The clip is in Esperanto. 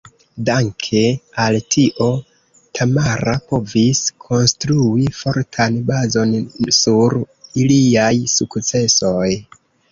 Danke al tio, Tamara povis konstrui fortan bazon sur iliaj sukcesoj.